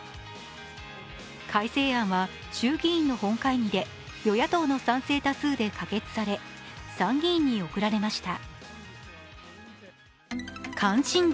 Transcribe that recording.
改正案は衆議院の本会議で与野党の賛成多数で可決され参議院に送られました。